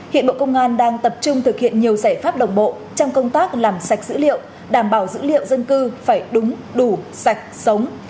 hiện bộ công an đang tập trung thực hiện nhiều giải pháp đồng bộ trong công tác làm sạch dữ liệu đảm bảo dữ liệu dân cư phải đúng đủ sạch sống